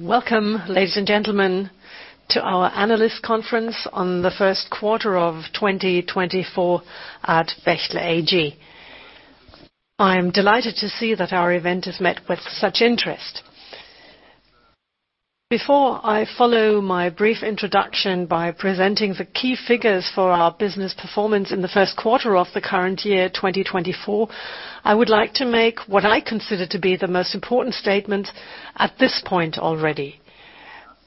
Welcome, ladies and gentlemen, to our analyst conference on the first quarter of 2024 at Bechtle AG. I'm delighted to see that our event has met with such interest. Before I follow my brief introduction by presenting the key figures for our business performance in the first quarter of the current year, 2024, I would like to make what I consider to be the most important statements at this point already.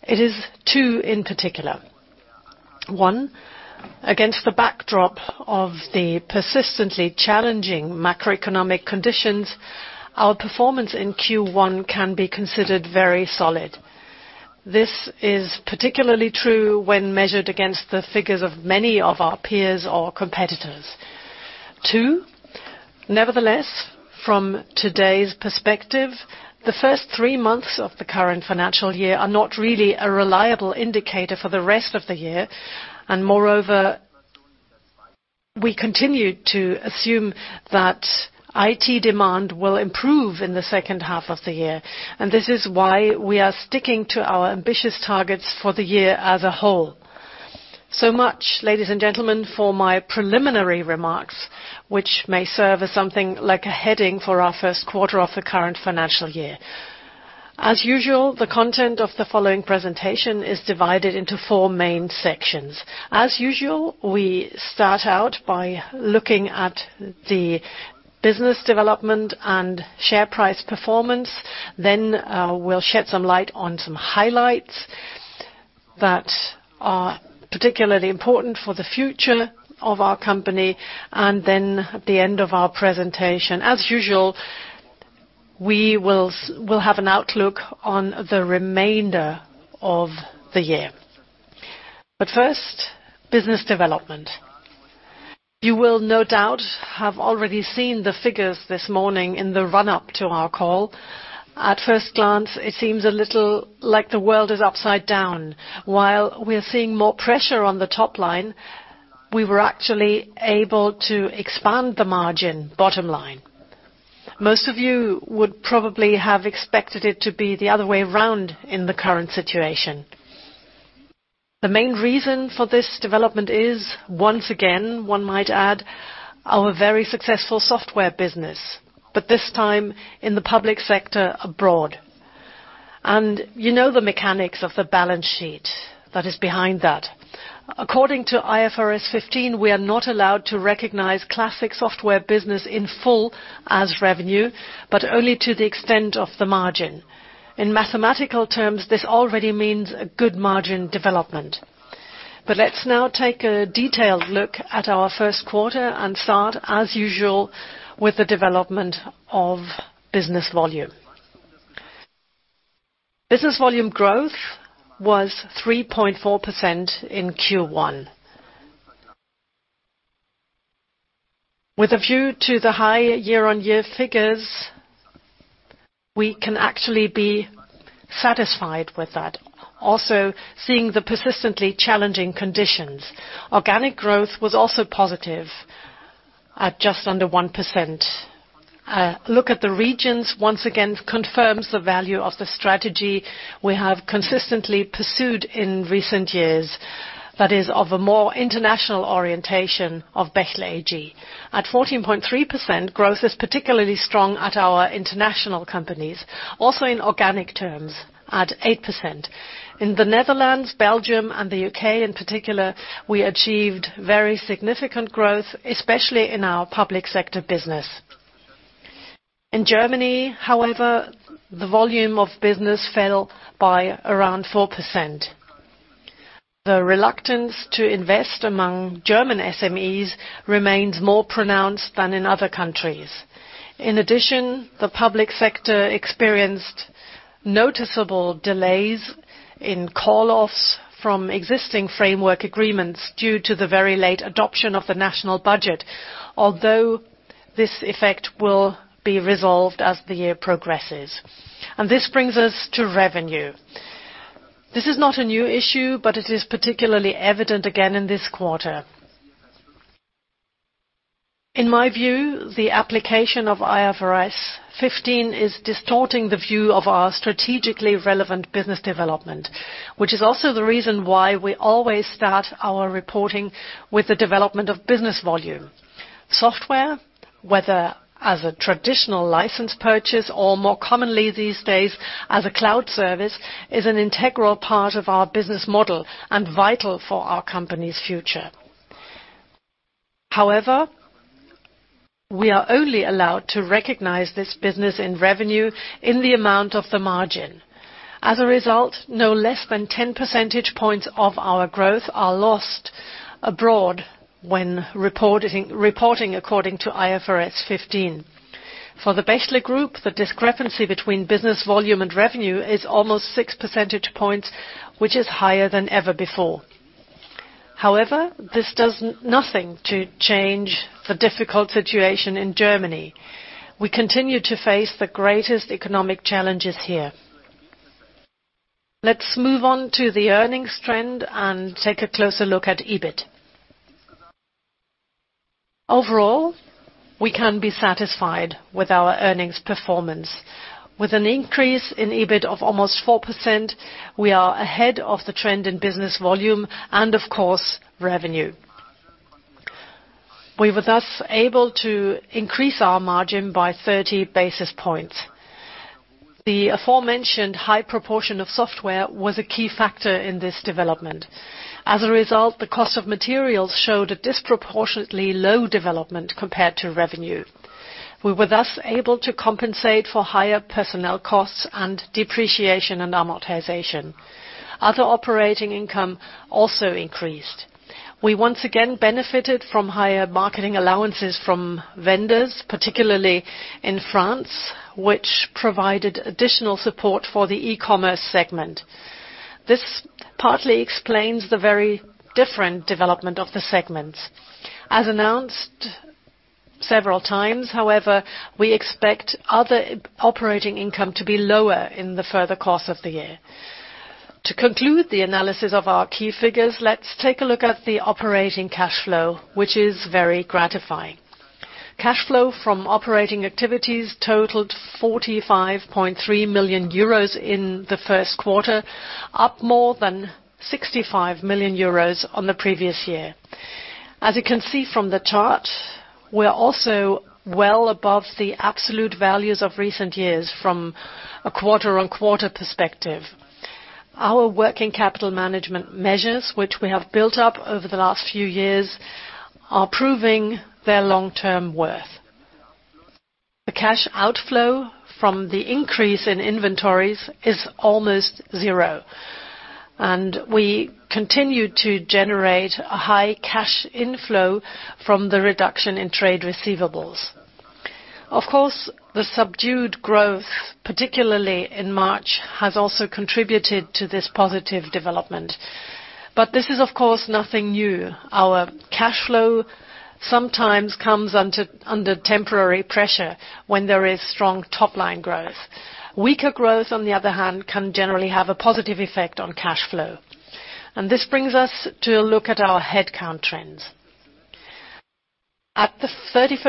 It is two in particular. One, against the backdrop of the persistently challenging macroeconomic conditions, our performance in Q1 can be considered very solid. This is particularly true when measured against the figures of many of our peers or competitors. two, nevertheless, from today's perspective, the first three months of the current financial year are not really a reliable indicator for the rest of the year, and moreover, we continue to assume that IT demand will improve in the second half of the year, and this is why we are sticking to our ambitious targets for the year as a whole. So much, ladies and gentlemen, for my preliminary remarks, which may serve as something like a heading for our first quarter of the current financial year. As usual, the content of the following presentation is divided into four main sections. As usual, we start out by looking at the business development and share price performance, then, we'll shed some light on some highlights that are particularly important for the future of our company, and then at the end of our presentation, as usual, we'll have an outlook on the remainder of the year. But first, business development. You will no doubt have already seen the figures this morning in the run-up to our call. At first glance, it seems a little like the world is upside down. While we're seeing more pressure on the top line, we were actually able to expand the margin, bottom line. Most of you would probably have expected it to be the other way around in the current situation. The main reason for this development is, once again, one might add, our very successful software business, but this time in the public sector abroad. You know the mechanics of the balance sheet that is behind that. According to IFRS 15, we are not allowed to recognize classic software business in full as revenue, but only to the extent of the margin. In mathematical terms, this already means a good margin development. Let's now take a detailed look at our first quarter and start, as usual, with the development of business volume. Business volume growth was 3.4% in Q1. With a view to the high year-on-year figures, we can actually be satisfied with that, also seeing the persistently challenging conditions. Organic growth was also positive at just under 1%. Look at the regions, once again, confirms the value of the strategy we have consistently pursued in recent years, that is, of a more international orientation of Bechtle AG. At 14.3%, growth is particularly strong at our international companies, also in organic terms, at 8%. In the Netherlands, Belgium, and the UK in particular, we achieved very significant growth, especially in our public sector business. In Germany, however, the volume of business fell by around 4%. The reluctance to invest among German SMEs remains more pronounced than in other countries. In addition, the public sector experienced noticeable delays in call-offs from existing framework agreements due to the very late adoption of the national budget, although this effect will be resolved as the year progresses. And this brings us to revenue. This is not a new issue, but it is particularly evident again in this quarter. In my view, the application of IFRS 15 is distorting the view of our strategically relevant business development, which is also the reason why we always start our reporting with the development of business volume. Software, whether as a traditional license purchase or more commonly these days as a cloud service, is an integral part of our business model and vital for our company's future. However, we are only allowed to recognize this business in revenue in the amount of the margin. As a result, no less than 10 percentage points of our growth are lost abroad when reporting according to IFRS 15. For the Bechtle Group, the discrepancy between business volume and revenue is almost six percentage points, which is higher than ever before. However, this does nothing to change the difficult situation in Germany. We continue to face the greatest economic challenges here. Let's move on to the earnings trend and take a closer look at EBIT. Overall, we can be satisfied with our earnings performance. With an increase in EBIT of almost 4%, we are ahead of the trend in business volume and, of course, revenue. We were thus able to increase our margin by 30 basis points. The aforementioned high proportion of software was a key factor in this development. As a result, the cost of materials showed a disproportionately low development compared to revenue. We were thus able to compensate for higher personnel costs and depreciation and amortization. Other operating income also increased. We once again benefited from higher marketing allowances from vendors, particularly in France, which provided additional support for the e-commerce segment. This partly explains the very different development of the segments. As announced several times, however, we expect other operating income to be lower in the further course of the year. To conclude the analysis of our key figures, let's take a look at the operating cash flow, which is very gratifying. Cash flow from operating activities totaled 45.3 million euros in the first quarter, up more than 65 million euros on the previous year. As you can see from the chart, we're also well above the absolute values of recent years from a quarter-on-quarter perspective. Our working capital management measures, which we have built up over the last few years, are proving their long-term worth. The cash outflow from the increase in inventories is almost zero, and we continue to generate a high cash inflow from the reduction in trade receivables. Of course, the subdued growth, particularly in March, has also contributed to this positive development. This is, of course, nothing new. Our cash flow sometimes comes under temporary pressure when there is strong top-line growth. Weaker growth, on the other hand, can generally have a positive effect on cash flow. This brings us to a look at our headcount trends. At the March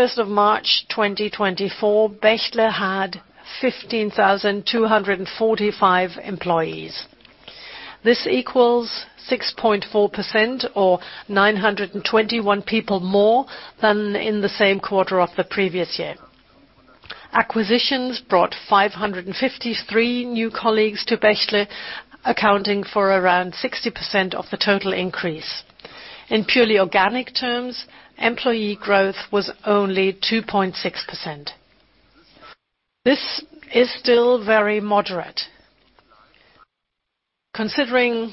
31st, 2024, Bechtle had 15,245 employees. This equals 6.4% or 921 people more than in the same quarter of the previous year. Acquisitions brought 553 new colleagues to Bechtle, accounting for around 60% of the total increase. In purely organic terms, employee growth was only 2.6%. This is still very moderate. Considering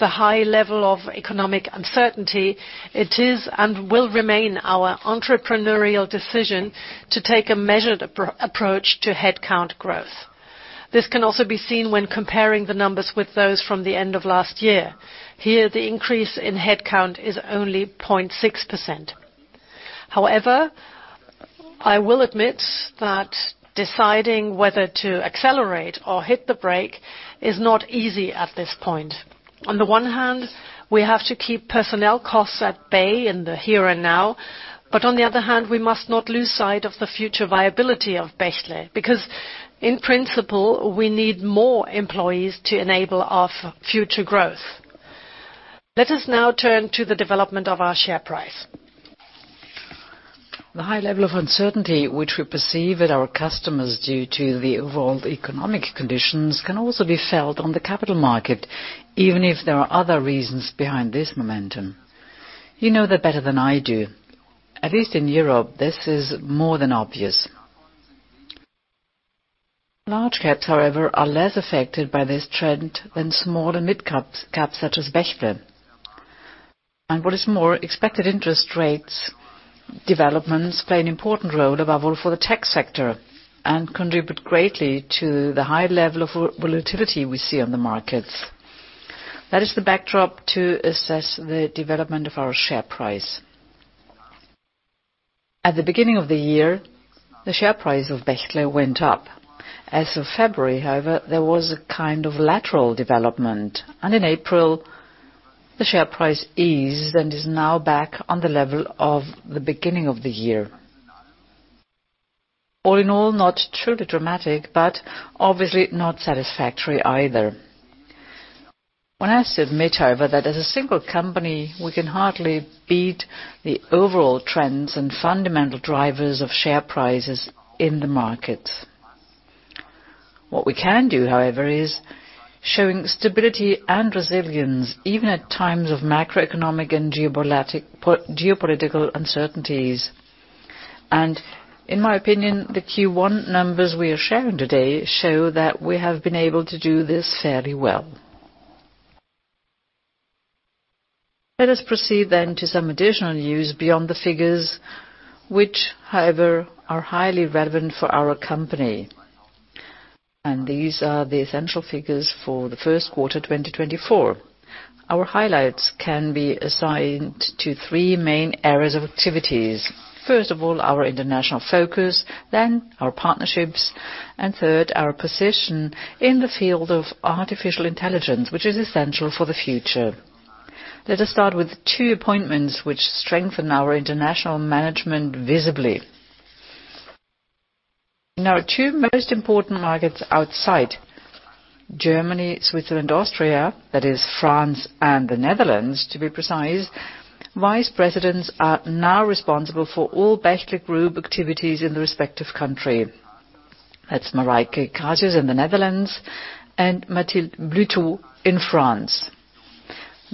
the high level of economic uncertainty, it is and will remain our entrepreneurial decision to take a measured approach to headcount growth. This can also be seen when comparing the numbers with those from the end of last year. Here, the increase in headcount is only 0.6%. However, I will admit that deciding whether to accelerate or hit the brake is not easy at this point. On the one hand, we have to keep personnel costs at bay in the here and now, but on the other hand, we must not lose sight of the future viability of Bechtle because, in principle, we need more employees to enable our future growth. Let us now turn to the development of our share price. The high level of uncertainty which we perceive at our customers due to the overall economic conditions can also be felt on the capital market, even if there are other reasons behind this momentum. You know that better than I do. At least in Europe, this is more than obvious. Large caps, however, are less affected by this trend than smaller mid-caps such as Bechtle. What is more, expected interest rate developments play an important role above all for the tech sector and contribute greatly to the high level of volatility we see on the markets. That is the backdrop to assess the development of our share price. At the beginning of the year, the share price of Bechtle went up. As of February, however, there was a kind of lateral development, and in April, the share price eased and is now back on the level of the beginning of the year. All in all, not truly dramatic, but obviously not satisfactory either. One has to admit, however, that as a single company, we can hardly beat the overall trends and fundamental drivers of share prices in the markets. What we can do, however, is showing stability and resilience even at times of macroeconomic and geopolitical uncertainties. In my opinion, the Q1 numbers we are sharing today show that we have been able to do this fairly well. Let us proceed then to some additional news beyond the figures, which, however, are highly relevant for our company. These are the essential figures for the first quarter 2024. Our highlights can be assigned to three main areas of activities. First of all, our international focus, then our partnerships, and third, our position in the field of artificial intelligence, which is essential for the future. Let us start with two appointments which strengthen our international management visibly. In our two most important markets outside Germany, Switzerland, Austria—that is, France and the Netherlands, to be precise—vice presidents are now responsible for all Bechtle Group activities in the respective country. That's Marijke Kasius in the Netherlands and Mathilde Bluteau in France.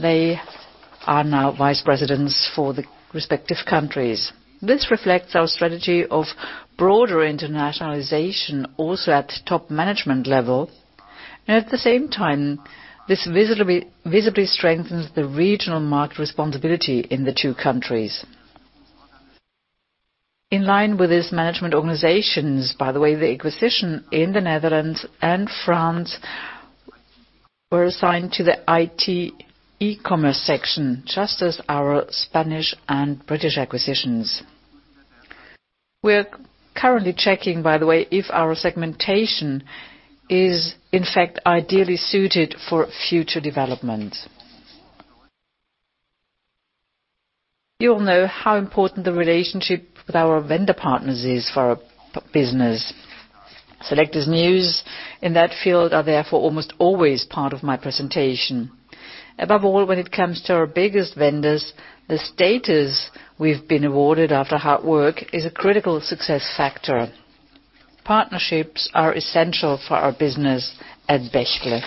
They are now vice presidents for the respective countries. This reflects our strategy of broader internationalization also at top management level. And at the same time, this visibly strengthens the regional market responsibility in the two countries. In line with this management organizations, by the way, the acquisition in the Netherlands and France were assigned to the IT e-commerce section, just as our Spanish and British acquisitions. We're currently checking, by the way, if our segmentation is, in fact, ideally suited for future development. You all know how important the relationship with our vendor partners is for our business. Sector's news in that field are therefore almost always part of my presentation. Above all, when it comes to our biggest vendors, the status we've been awarded after hard work is a critical success factor. Partnerships are essential for our business at Bechtle.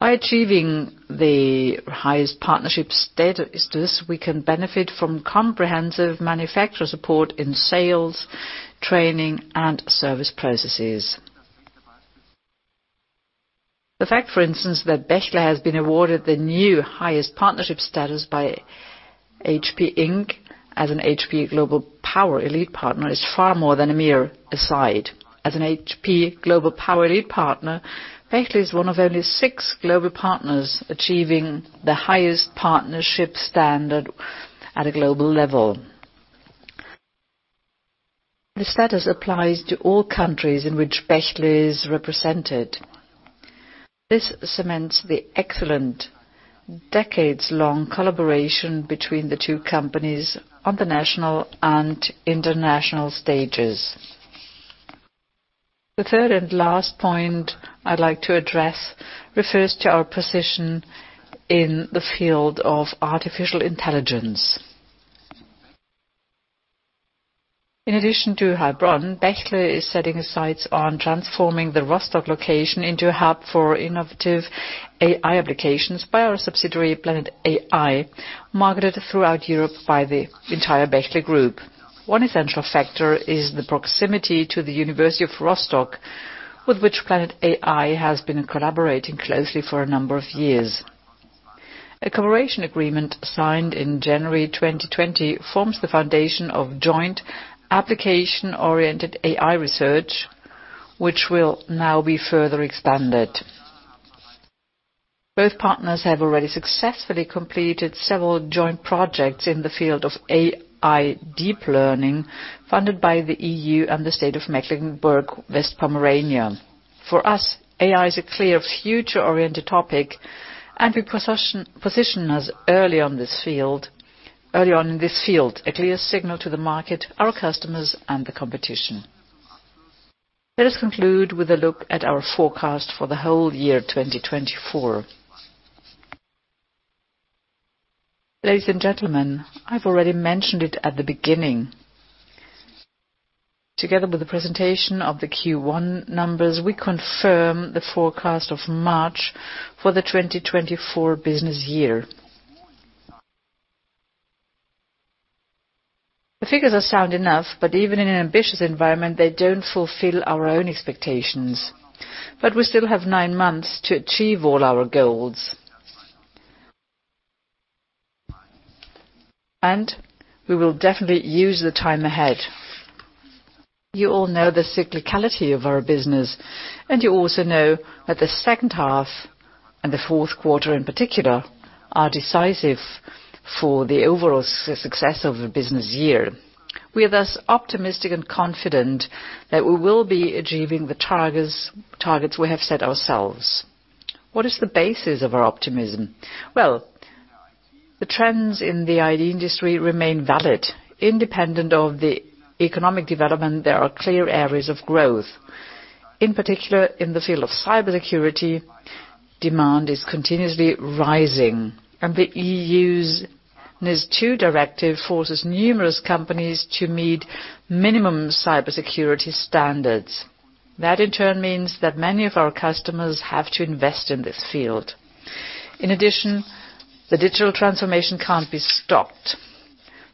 By achieving the highest partnership status, we can benefit from comprehensive manufacturer support in sales, training, and service processes. The fact, for instance, that Bechtle has been awarded the new highest partnership status by HP Inc as an HP Global Power Elite Partner is far more than a mere aside. As an HP Global Power Elite Partner, Bechtle is one of only six global partners achieving the highest partnership standard at a global level. The status applies to all countries in which Bechtle is represented. This cements the excellent, decades-long collaboration between the two companies on the national and international stages. The third and last point I'd like to address refers to our position in the field of artificial intelligence. In addition to Heilbronn, Bechtle is setting sights on transforming the Rostock location into a hub for innovative AI applications by our subsidiary, Planet AI, marketed throughout Europe by the entire Bechtle Group. One essential factor is the proximity to the University of Rostock, with which Planet AI has been collaborating closely for a number of years. A cooperation agreement signed in January 2020 forms the foundation of joint application-oriented AI research, which will now be further expanded. Both partners have already successfully completed several joint projects in the field of AI deep learning funded by the EU and the state of Mecklenburg-West Pomerania. For us, AI is a clear future-oriented topic, and we position us early on in this field, a clear signal to the market, our customers, and the competition. Let us conclude with a look at our forecast for the whole year 2024. Ladies and gentlemen, I've already mentioned it at the beginning. Together with the presentation of the Q1 numbers, we confirm the forecast of March for the 2024 business year. The figures are sound enough, but even in an ambitious environment, they don't fulfill our own expectations. We still have nine months to achieve all our goals, and we will definitely use the time ahead. You all know the cyclicality of our business, and you also know that the second half and the fourth quarter in particular are decisive for the overall success of a business year. We are thus optimistic and confident that we will be achieving the targets we have set ourselves. What is the basis of our optimism? Well, the trends in the IT industry remain valid. Independent of the economic development, there are clear areas of growth. In particular, in the field of cybersecurity, demand is continuously rising, and the EU's NIS2 directive forces numerous companies to meet minimum cybersecurity standards. That, in turn, means that many of our customers have to invest in this field. In addition, the digital transformation can't be stopped.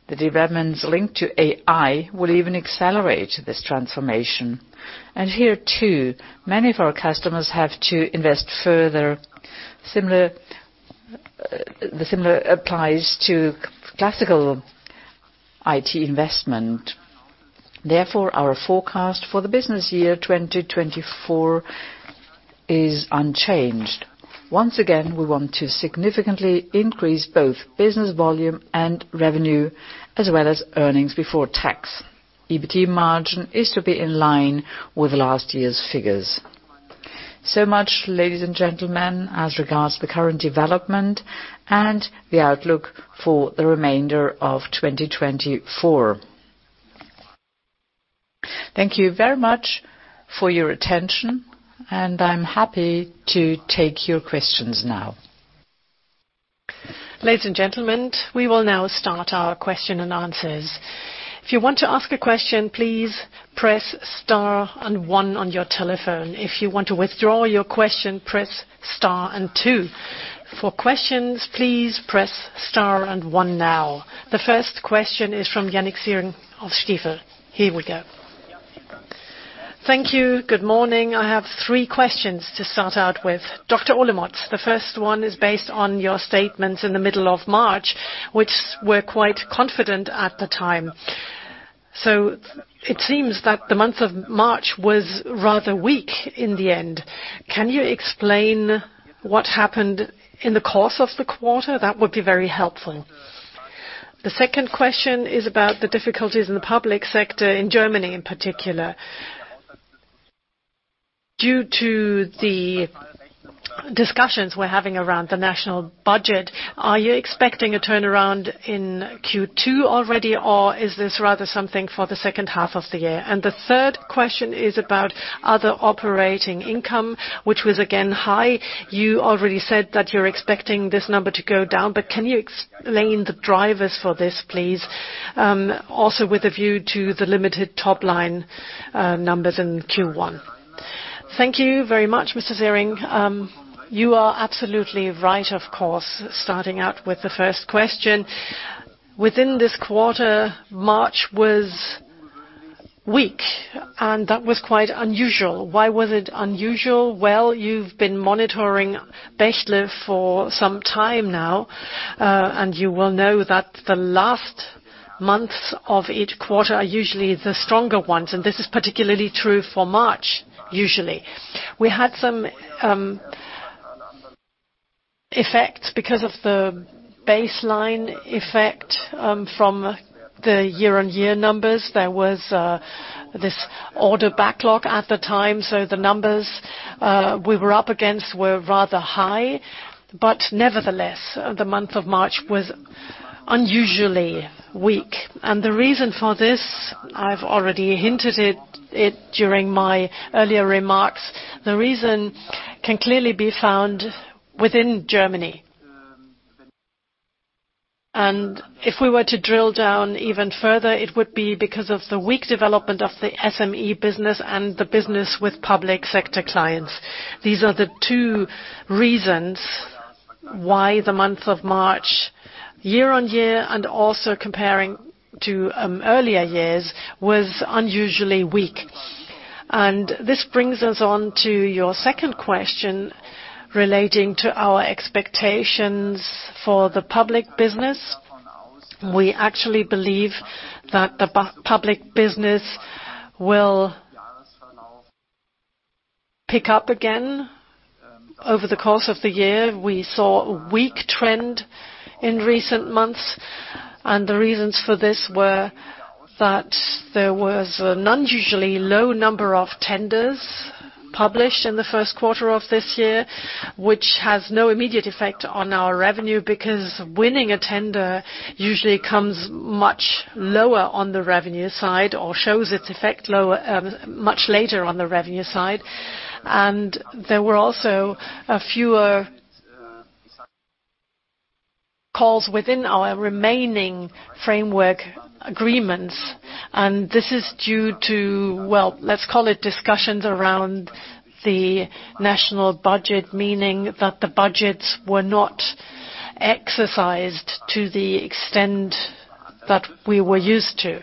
The developments linked to AI will even accelerate this transformation. And here too, many of our customers have to invest further. The same applies to classical IT investment. Therefore, our forecast for the business year 2024 is unchanged. Once again, we want to significantly increase both business volume and revenue, as well as earnings before tax. EBITDA margin is to be in line with last year's figures. So much, ladies and gentlemen, as regards to the current development and the outlook for the remainder of 2024. Thank you very much for your attention, and I'm happy to take your questions now. Ladies and gentlemen, we will now start our question and answers. If you want to ask a question, please press star and one on your telephone. If you want to withdraw your question, press star and two. For questions, please press star and one now. The first question is from Jannik Siering of Stifel. Here we go. Thank you. Good morning. I have three questions to start out with. Dr. Olemotz, the first one is based on your statements in the middle of March, which were quite confident at the time. So it seems that the month of March was rather weak in the end. Can you explain what happened in the course of the quarter? That would be very helpful. The second question is about the difficulties in the public sector in Germany, in particular. Due to the discussions we're having around the national budget, are you expecting a turnaround in Q2 already, or is this rather something for the second half of the year? And the third question is about other operating income, which was again high. You already said that you're expecting this number to go down, but can you explain the drivers for this, please, also with a view to the limited topline numbers in Q1? Thank you very much, Mr. Siering. You are absolutely right, of course, starting out with the first question. Within this quarter, March was weak, and that was quite unusual. Why was it unusual? Well, you've been monitoring Bechtle for some time now, and you will know that the last months of each quarter are usually the stronger ones, and this is particularly true for March, usually. We had some effects because of the baseline effect from the year-on-year numbers. There was this order backlog at the time, so the numbers we were up against were rather high. But nevertheless, the month of March was unusually weak. And the reason for this, I've already hinted at it during my earlier remarks, the reason can clearly be found within Germany. And if we were to drill down even further, it would be because of the weak development of the SME business and the business with public sector clients. These are the two reasons why the month of March, year-on-year and also comparing to earlier years, was unusually weak. And this brings us on to your second question relating to our expectations for the public business. We actually believe that the public business will pick up again. Over the course of the year, we saw a weak trend in recent months, and the reasons for this were that there was an unusually low number of tenders published in the first quarter of this year, which has no immediate effect on our revenue because winning a tender usually comes much lower on the revenue side or shows its effect much later on the revenue side. And there were also fewer calls within our remaining framework agreements. And this is due to, well, let's call it discussions around the national budget, meaning that the budgets were not exercised to the extent that we were used to.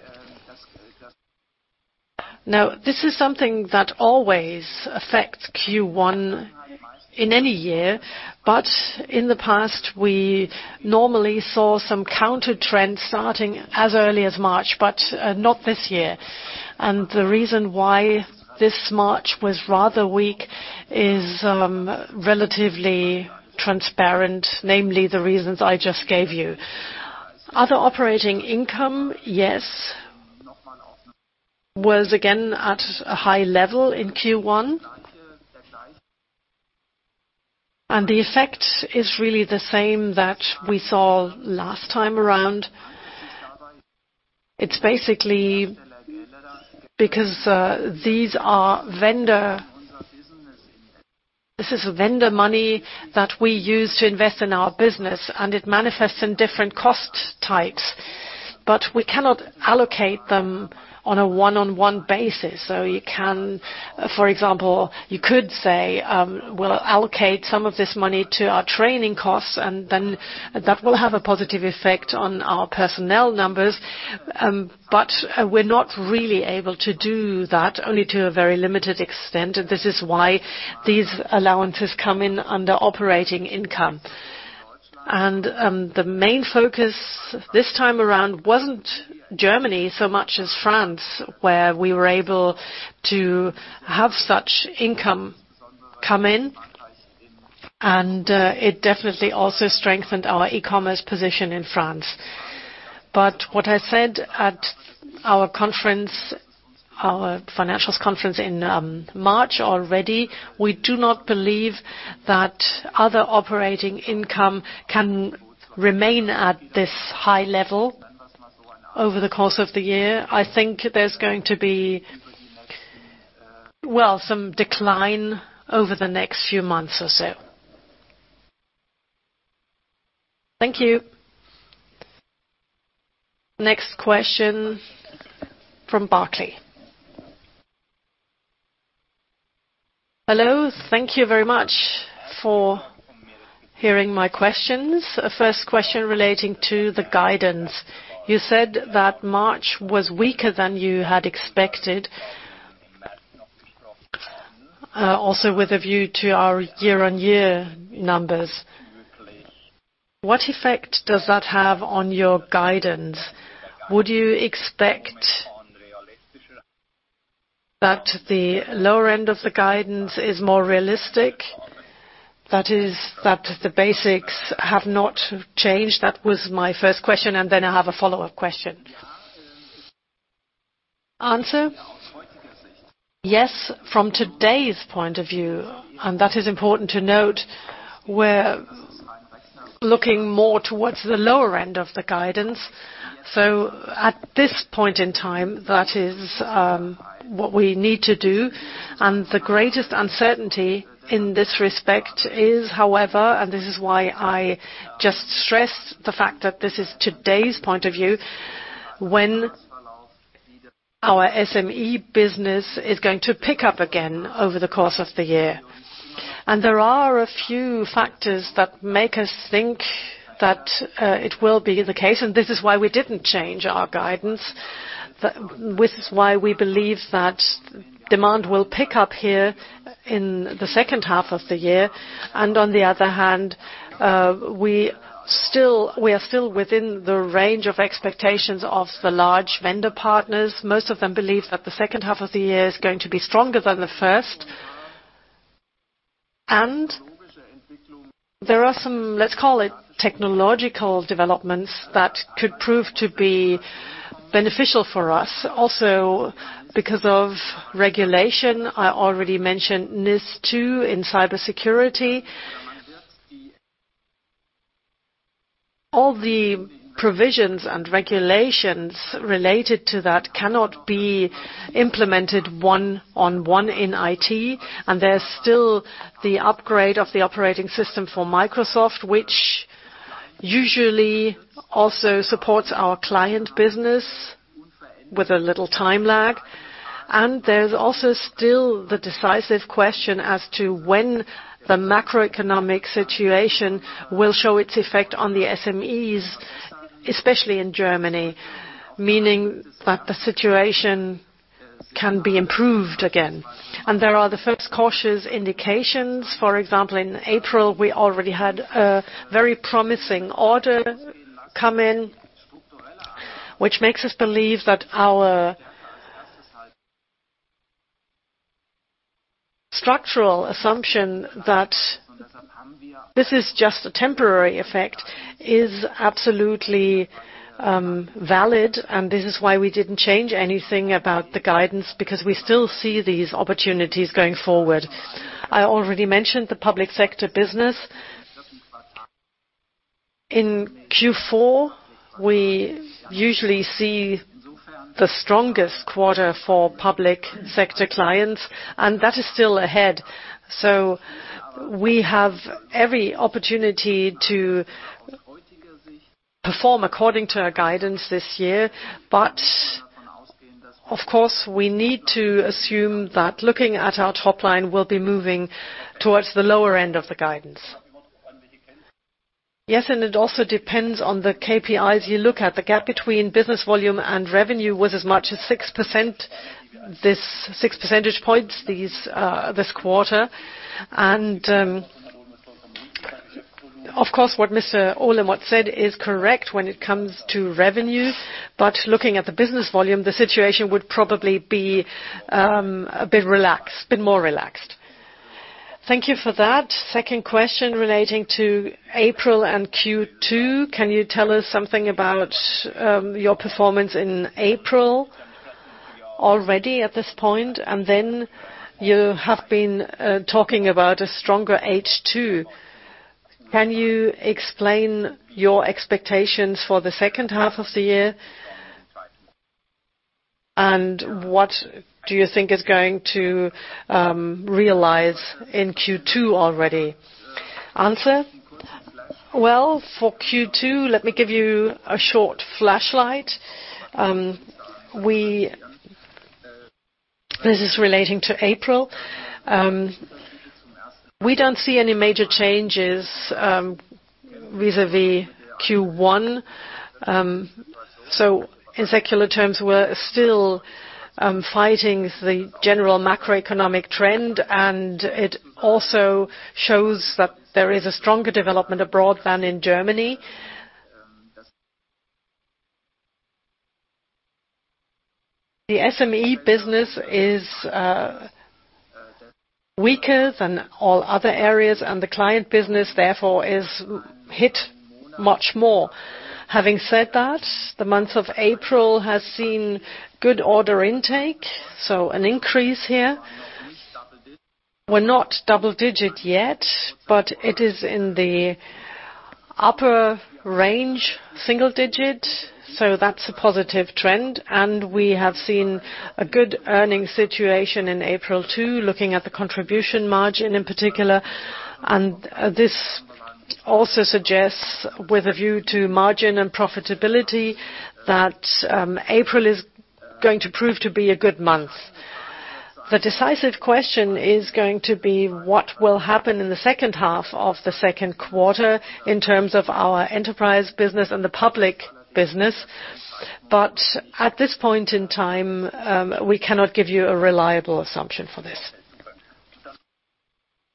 Now, this is something that always affects Q1 in any year, but in the past, we normally saw some countertrends starting as early as March, but not this year. The reason why this March was rather weak is relatively transparent, namely the reasons I just gave you. Other operating income, yes, was again at a high level in Q1, and the effect is really the same that we saw last time around. It's basically because these are vendor, this is vendor money that we use to invest in our business, and it manifests in different cost types. But we cannot allocate them on a one-on-one basis. So you can, for example, you could say, "We'll allocate some of this money to our training costs," and then that will have a positive effect on our personnel numbers. But we're not really able to do that, only to a very limited extent. This is why these allowances come in under operating income. The main focus this time around wasn't Germany so much as France, where we were able to have such income come in, and it definitely also strengthened our e-commerce position in France. But what I said at our financials conference in March already, we do not believe that other operating income can remain at this high level over the course of the year. I think there's going to be, well, some decline over the next few months or so. Thank you. Next question from Barclays. Hello. Thank you very much for hearing my questions. First question relating to the guidance. You said that March was weaker than you had expected, also with a view to our year-on-year numbers. What effect does that have on your guidance? Would you expect that the lower end of the guidance is more realistic, that the basics have not changed? That was my first question, and then I have a follow-up question. Yes, from today's point of view, and that is important to note, we're looking more towards the lower end of the guidance. So at this point in time, that is what we need to do. And the greatest uncertainty in this respect is, however, and this is why I just stressed the fact that this is today's point of view, when our SME business is going to pick up again over the course of the year. And there are a few factors that make us think that it will be the case, and this is why we didn't change our guidance. This is why we believe that demand will pick up here in the second half of the year. And on the other hand, we are still within the range of expectations of the large vendor partners. Most of them believe that the second half of the year is going to be stronger than the first. And there are some, let's call it, technological developments that could prove to be beneficial for us. Also, because of regulation, I already mentioned NIS2 in cybersecurity. All the provisions and regulations related to that cannot be implemented one-on-one in IT. And there's still the upgrade of the operating system for Microsoft, which usually also supports our client business with a little time lag. And there's also still the decisive question as to when the macroeconomic situation will show its effect on the SMEs, especially in Germany, meaning that the situation can be improved again. And there are the first cautious indications. For example, in April, we already had a very promising order come in, which makes us believe that our structural assumption that this is just a temporary effect is absolutely valid. And this is why we didn't change anything about the guidance, because we still see these opportunities going forward. I already mentioned the public sector business. In Q4, we usually see the strongest quarter for public sector clients, and that is still ahead. So we have every opportunity to perform according to our guidance this year. But of course, we need to assume that looking at our topline will be moving towards the lower end of the guidance. Yes, and it also depends on the KPIs you look at. The gap between business volume and revenue was as much as six percentage points this quarter. And of course, what Mr. Olemotz said is correct when it comes to revenue. But looking at the business volume, the situation would probably be a bit more relaxed. Thank you for that. Second question relating to April and Q2. Can you tell us something about your performance in April already at this point? And then you have been talking about a stronger H2. Can you explain your expectations for the second half of the year, and what do you think is going to realize in Q2 already? Answer? Well, for Q2, let me give you a short flashlight. This is relating to April. We don't see any major changes vis-à-vis Q1. So in secular terms, we're still fighting the general macroeconomic trend, and it also shows that there is a stronger development abroad than in Germany. The SME business is weaker than all other areas, and the client business, therefore, is hit much more. Having said that, the month of April has seen good order intake, so an increase here. We're not double-digit yet, but it is in the upper range, single-digit. So that's a positive trend. We have seen a good earnings situation in April too, looking at the contribution margin in particular. And this also suggests, with a view to margin and profitability, that April is going to prove to be a good month. The decisive question is going to be what will happen in the second half of the second quarter in terms of our enterprise business and the public business. But at this point in time, we cannot give you a reliable assumption for this.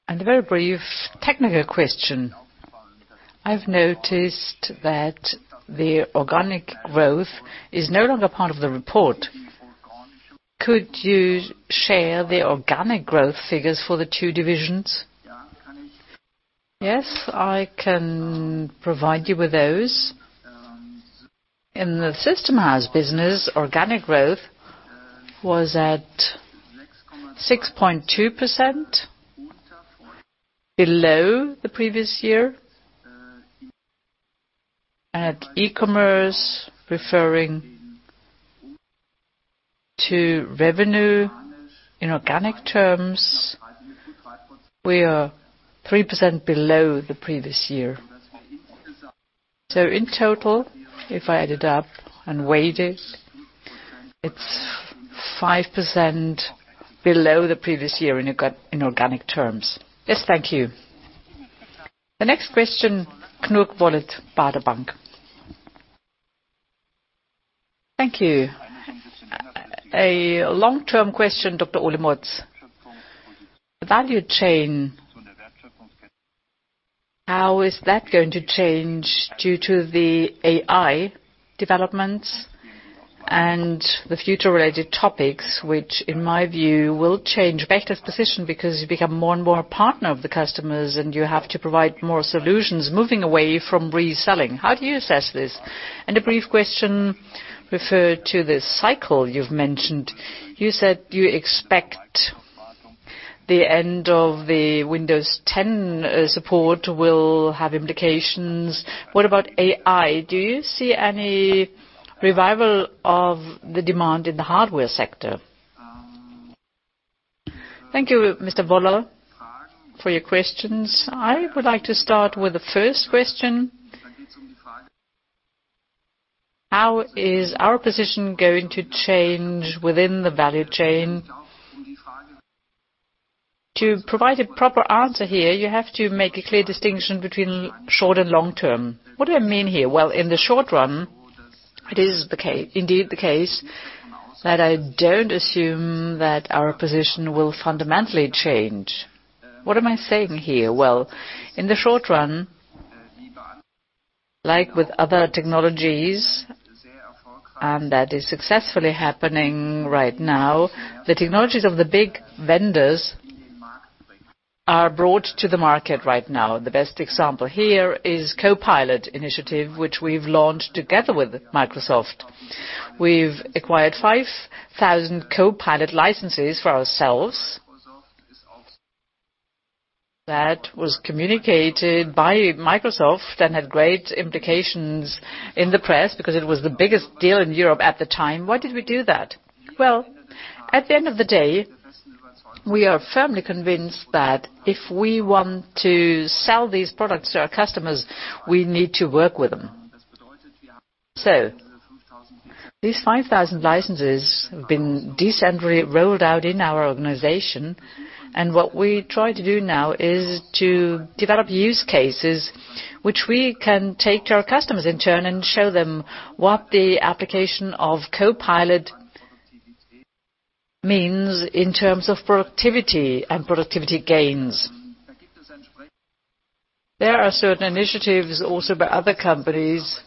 A very brief technical question. I've noticed that the organic growth is no longer part of the report. Could you share the organic growth figures for the two divisions? Yes, I can provide you with those. In the system house business, organic growth was at 6.2%, below the previous year. At e-commerce, referring to revenue in organic terms, we are 3% below the previous year. In total, if I add it up and weight it, it's 5% below the previous year in organic terms. Yes, thank you. The next question, Knut Woller, Baader Bank. Thank you. A long-term question, Dr. Olemotz. Value chain, how is that going to change due to the AI developments and the future-related topics, which in my view will change Bechtle's position because you become more and more a partner of the customers and you have to provide more solutions moving away from reselling? How do you assess this? And a brief question referred to the cycle you've mentioned. You said you expect the end of the Windows 10 support will have implications. What about AI? Do you see any revival of the demand in the hardware sector? Thank you, Mr. Woller, for your questions. I would like to start with the first question. How is our position going to change within the value chain? To provide a proper answer here, you have to make a clear distinction between short and long term. What do I mean here? Well, in the short run, it is indeed the case that I don't assume that our position will fundamentally change. What am I saying here? Well, in the short run, like with other technologies, and that is successfully happening right now, the technologies of the big vendors are brought to the market right now. The best example here is the Copilot initiative, which we've launched together with Microsoft. We've acquired 5,000 Copilot licenses for ourselves. That was communicated by Microsoft and had great implications in the press because it was the biggest deal in Europe at the time. Why did we do that? Well, at the end of the day, we are firmly convinced that if we want to sell these products to our customers, we need to work with them. So these 5,000 licenses have been decently rolled out in our organization. And what we try to do now is to develop use cases, which we can take to our customers in turn and show them what the application of Copilot means in terms of productivity and productivity gains. There are certain initiatives also by other companies.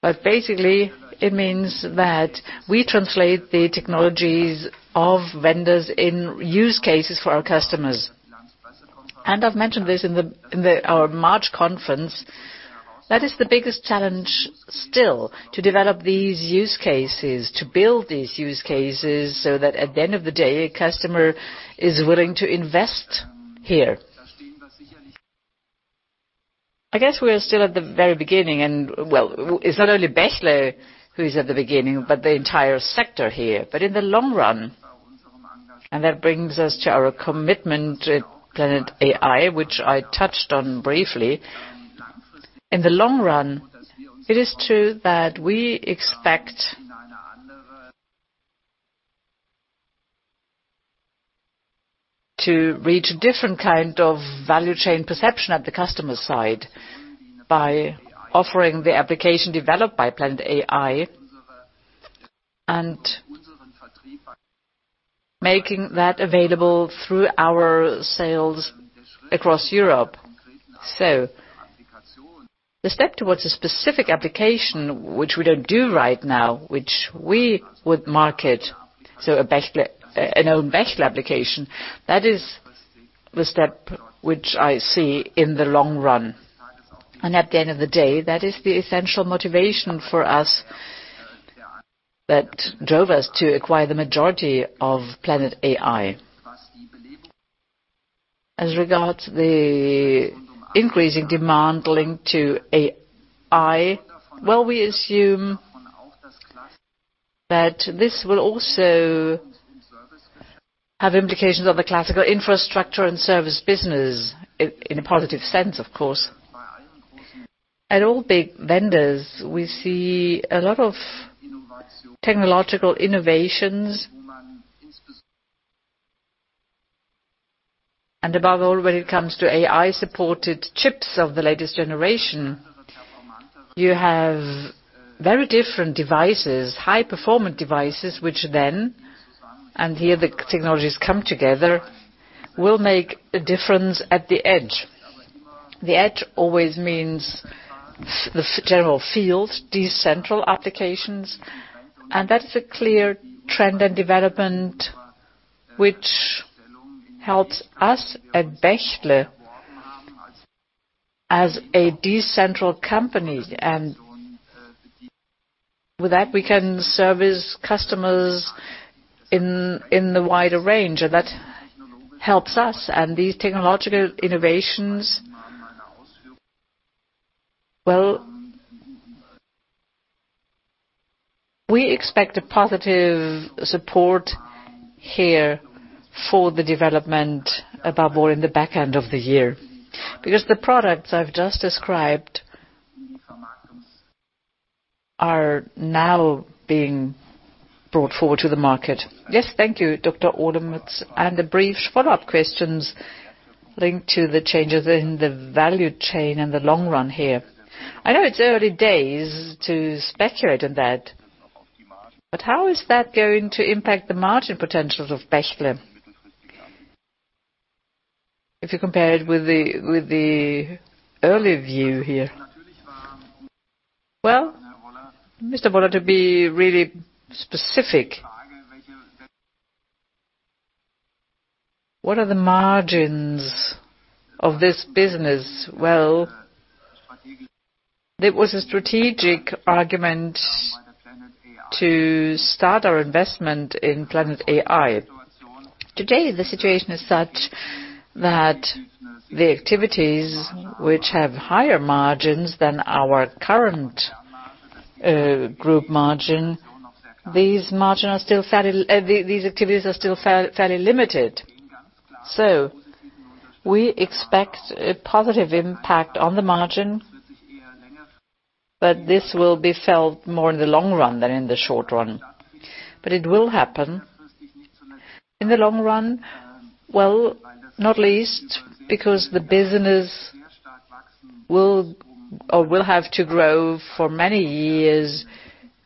But basically, it means that we translate the technologies of vendors in use cases for our customers. And I've mentioned this in our March conference. That is the biggest challenge still, to develop these use cases, to build these use cases so that at the end of the day, a customer is willing to invest here. I guess we are still at the very beginning. And well, it's not only Bechtle who is at the beginning, but the entire sector here. But in the long run, and that brings us to our commitment to Planet AI, which I touched on briefly, in the long run, it is true that we expect to reach a different kind of value chain perception at the customer's side by offering the application developed by Planet AI and making that available through our sales across Europe. So the step towards a specific application, which we don't do right now, which we would market, so an own Bechtle application, that is the step which I see in the long run. At the end of the day, that is the essential motivation for us that drove us to acquire the majority of Planet AI. As regards to the increasing demand linked to AI, well, we assume that this will also have implications on the classical infrastructure and service business in a positive sense, of course. At all big vendors, we see a lot of technological innovations. Above all, when it comes to AI-supported chips of the latest generation, you have very different devices, high-performance devices, which then, and here the technologies come together, will make a difference at the edge. The edge always means the general field, decentral applications. That is a clear trend and development which helps us at Bechtle as a decentral company. With that, we can service customers in the wider range, and that helps us. These technological innovations, well, we expect a positive support here for the development, above all, in the back end of the year because the products I've just described are now being brought forward to the market. Yes, thank you, Dr. Olemotz. A brief follow-up question linked to the changes in the value chain in the long run here. I know it's early days to speculate on that, but how is that going to impact the margin potential of Bechtle if you compare it with the earlier view here? Well, Mr. Woller, to be really specific, what are the margins of this business? Well, it was a strategic argument to start our investment in Planet AI. Today, the situation is such that the activities which have higher margins than our current group margin, these activities are still fairly limited. So we expect a positive impact on the margin, but this will be felt more in the long run than in the short run. But it will happen in the long run, well, not least because the business will have to grow for many years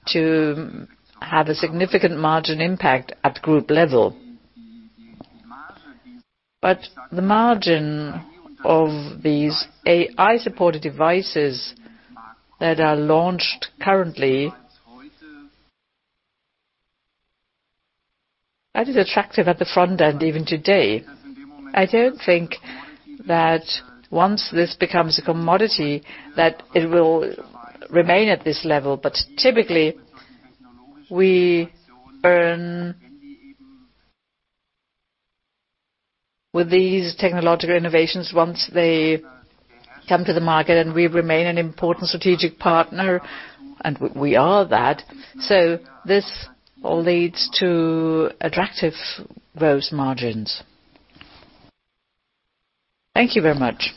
to have a significant margin impact at group level. But the margin of these AI-supported devices that are launched currently, that is attractive at the front end even today. I don't think that once this becomes a commodity, that it will remain at this level. But typically, with these technological innovations, once they come to the market and we remain an important strategic partner, and we are that, so this all leads to attractive gross margins. Thank you very much.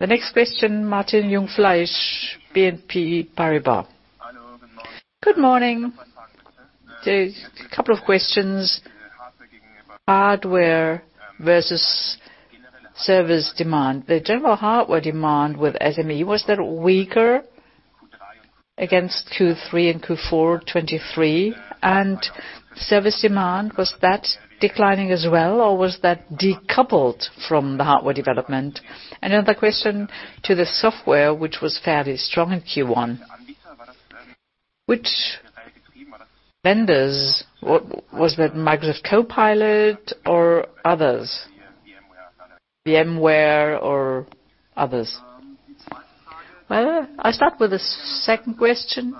The next question, Martin Jungfleisch, BNP Paribas. Good morning. A couple of questions. Hardware versus service demand. The general hardware demand with SME, was that weaker against Q3 and Q4 2023? And service demand, was that declining as well, or was that decoupled from the hardware development? And another question to the software, which was fairly strong in Q1. Which vendors? Was that Microsoft Copilot or others? VMware or others? Well, I'll start with the second question.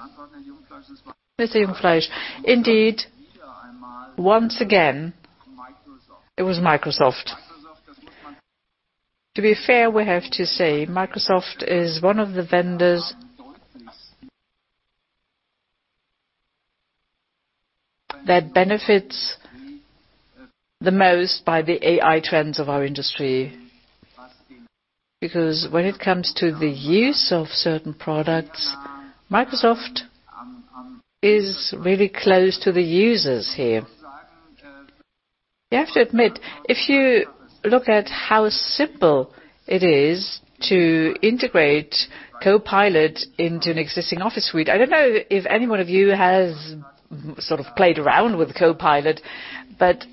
Mr. Jungfleisch, indeed, once again, it was Microsoft. To be fair, we have to say Microsoft is one of the vendors that benefits the most by the AI trends of our industry because when it comes to the use of certain products, Microsoft is really close to the users here. You have to admit, if you look at how simple it is to integrate Copilot into an existing Office suite - I don't know if anyone of you has sort of played around with Copilot - but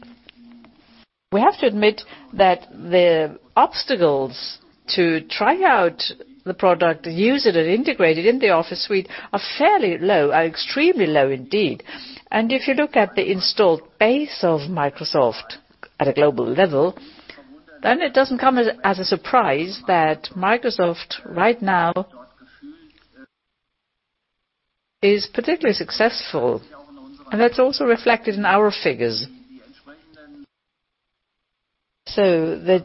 we have to admit that the obstacles to try out the product, use it, and integrate it in the Office suite are fairly low, are extremely low indeed. And if you look at the installed base of Microsoft at a global level, then it doesn't come as a surprise that Microsoft right now is particularly successful. And that's also reflected in our figures. So the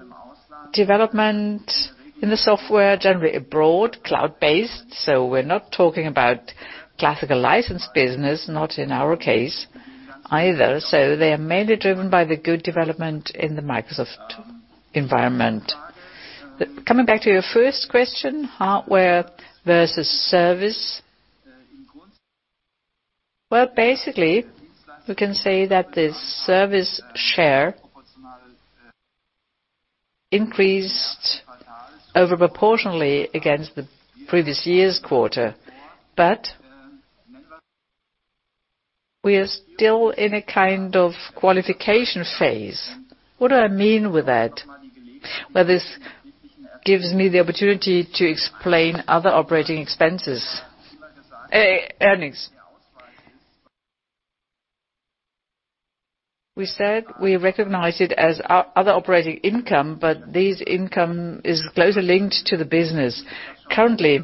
development in the software, generally abroad, cloud-based - so we're not talking about classical license business, not in our case either - so they are mainly driven by the good development in the Microsoft environment. Coming back to your first question, hardware versus service. Well, basically, we can say that the service share increased overproportionately against the previous year's quarter, but we are still in a kind of qualification phase. What do I mean with that? Well, this gives me the opportunity to explain other operating expenses, earnings. We said we recognize it as other operating income, but this income is closely linked to the business. Currently,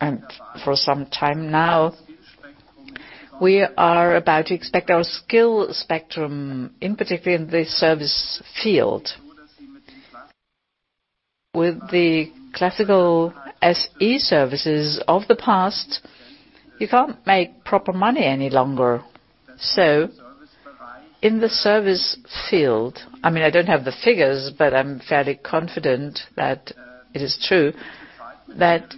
and for some time now, we are about to expect our skill spectrum, in particular in the service field. With the classical SE services of the past, you can't make proper money any longer. So in the service field, I mean, I don't have the figures, but I'm fairly confident that it is true, that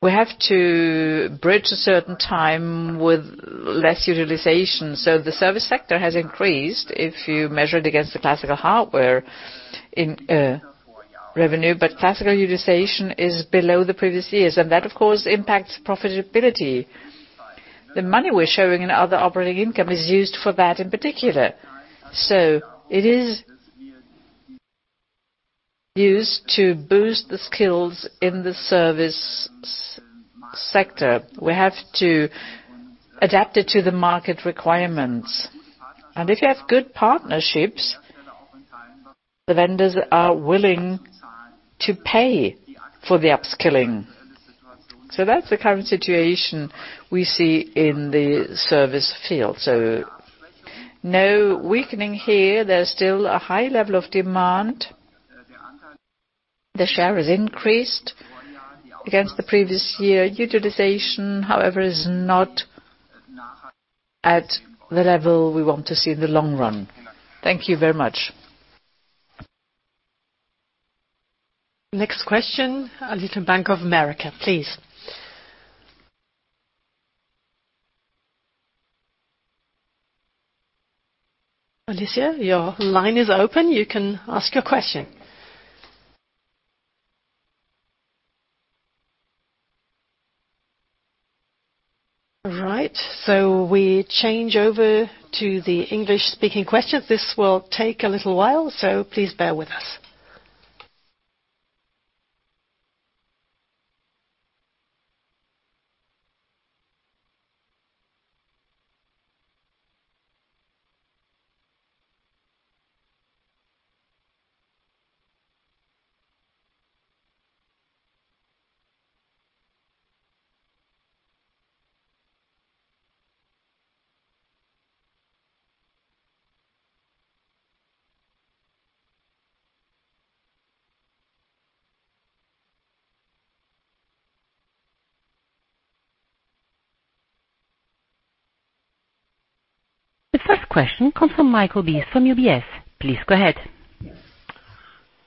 we have to bridge a certain time with less utilization. So the service sector has increased if you measure it against the classical hardware revenue, but classical utilization is below the previous years. That, of course, impacts profitability. The money we're showing in other operating income is used for that in particular. It is used to boost the skills in the service sector. We have to adapt it to the market requirements. If you have good partnerships, the vendors are willing to pay for the upskilling. That's the current situation we see in the service field. No weakening here. There's still a high level of demand. The share has increased against the previous year. Utilization, however, is not at the level we want to see in the long run. Thank you very much. Next question from Bank of America, please. Alicia, your line is open. You can ask your question. All right. We change over to the English-speaking questions. This will take a little while, so please bear with us. The first question comes from Michael Briest from UBS. Please go ahead.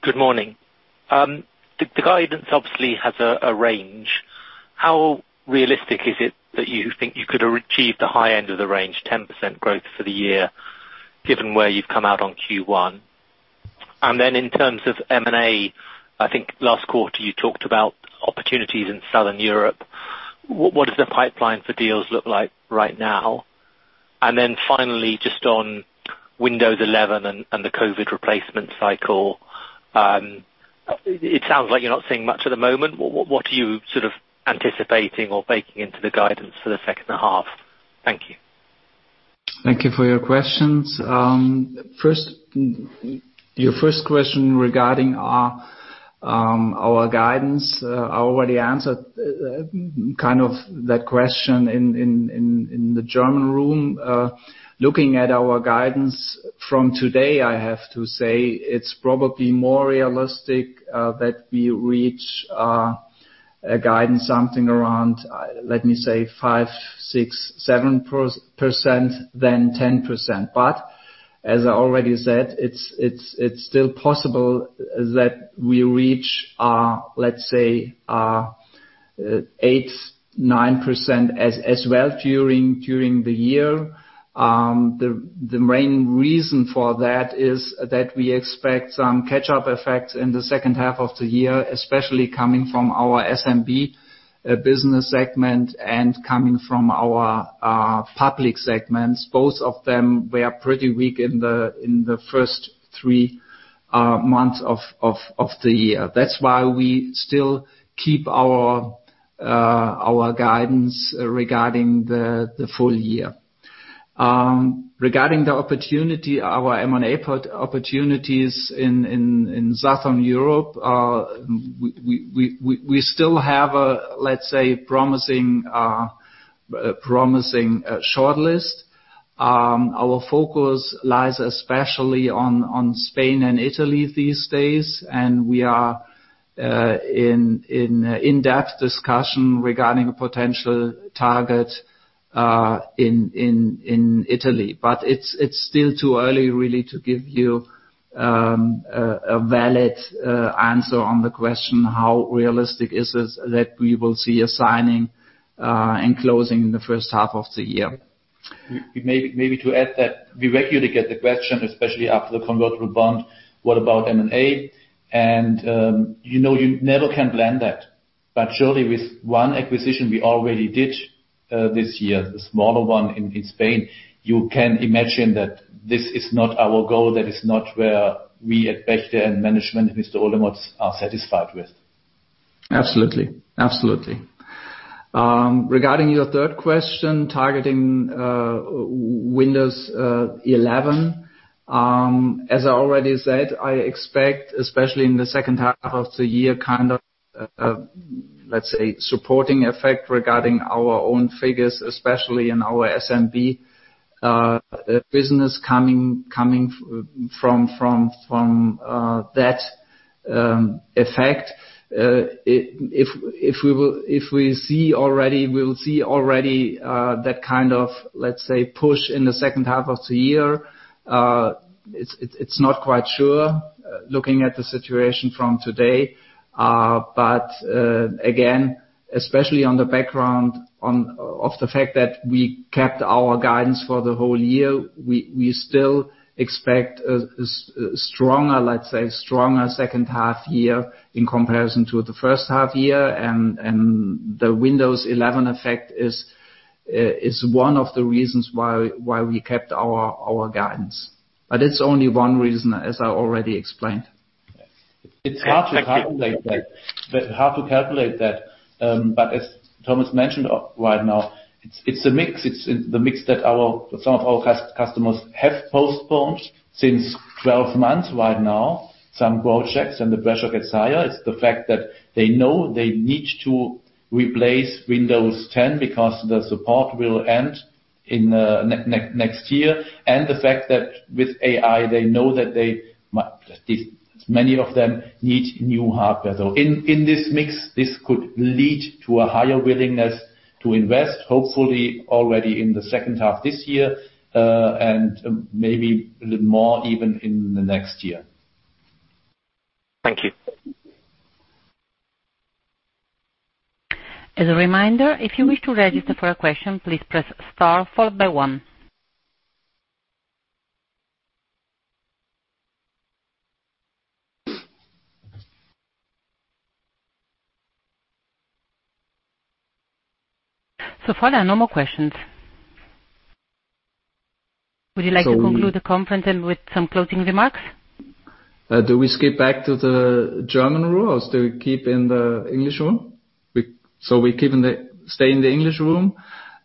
Good morning. The guidance obviously has a range. How realistic is it that you think you could have achieved the high end of the range, 10% growth for the year given where you've come out on Q1? And then in terms of M&A, I think last quarter you talked about opportunities in Southern Europe. What does the pipeline for deals look like right now? And then finally, just on Windows 11 and the COVID replacement cycle, it sounds like you're not seeing much at the moment. What are you sort of anticipating or baking into the guidance for the second half? Thank you. Thank you for your questions. Your first question regarding our guidance, I already answered kind of that question in the German room. Looking at our guidance from today, I have to say it's probably more realistic that we reach a guidance something around, let me say, 5%, 6%, 7% than 10%. But as I already said, it's still possible that we reach, let's say, 8%, 9% as well during the year. The main reason for that is that we expect some catch-up effects in the second half of the year, especially coming from our SMB business segment and coming from our public segments. Both of them were pretty weak in the first three months of the year. That's why we still keep our guidance regarding the full year. Regarding the opportunity, our M&A opportunities in Southern Europe, we still have a, let's say, promising shortlist. Our focus lies especially on Spain and Italy these days, and we are in-depth discussion regarding a potential target in Italy. But it's still too early, really, to give you a valid answer on the question how realistic is it that we will see a signing and closing in the first half of the year. Maybe to add that, we regularly get the question, especially after the convertible bond, "What about M&A?" And you never can blame that. But surely with one acquisition we already did this year, the smaller one in Spain, you can imagine that this is not our goal. That is not where we at Bechtle and management, Mr. Olemotz, are satisfied with. Absolutely. Regarding your third question targeting Windows 11, as I already said, I expect, especially in the second half of the year, kind of, let's say, supporting effect regarding our own figures, especially in our SMB business coming from that effect. If we see already, we will see already that kind of, let's say, push in the second half of the year. It's not quite sure looking at the situation from today. But again, especially on the background of the fact that we kept our guidance for the whole year, we still expect a stronger, let's say, stronger second half year in comparison to the first half year. And the Windows 11 effect is one of the reasons why we kept our guidance. But it's only one reason, as I already explained. It's hard to calculate that. It's hard to calculate that. But as Thomas mentioned right now, it's a mix. It's the mix that some of our customers have postponed since 12 months right now, some growth checks, and the pressure gets higher. It's the fact that they know they need to replace Windows 10 because the support will end next year. And the fact that with AI, they know that many of them need new hardware. So in this mix, this could lead to a higher willingness to invest, hopefully already in the second half this year and maybe a little more even in the next year. Thank you. As a reminder, if you wish to register for a question, please press star followed by one. So follow the normal questions. Would you like to conclude the conference with some closing remarks? Do we skip back to the German room, or do we keep in the English room? So we keep in the stay in the English room.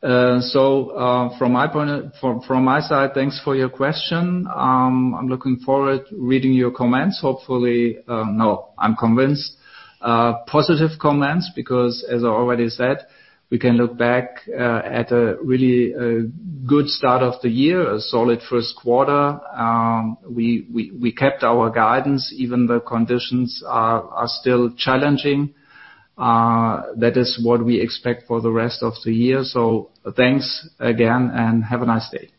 So from my side, thanks for your question. I'm looking forward to reading your comments. Hopefully no, I'm convinced. Positive comments because, as I already said, we can look back at a really good start of the year, a solid first quarter. We kept our guidance. Even the conditions are still challenging. That is what we expect for the rest of the year. Thanks again, and have a nice day.